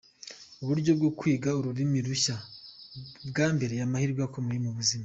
Uburyo bwo kwiga ururimi rushya bwambereye amahirwe akomeye mu buzima.